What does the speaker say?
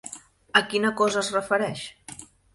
A quina cosa es refereix?